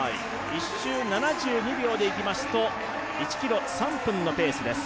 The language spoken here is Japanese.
１周７２秒でいきますと１ｋｍ３分のペースです。